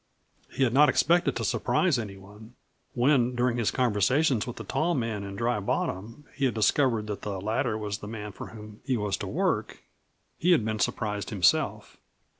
He had not expected to surprise any one. When during his conversation with the tall man in Dry Bottom he had discovered that the latter was the man for whom he was to work he had been surprised himself.